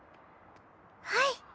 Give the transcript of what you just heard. はい。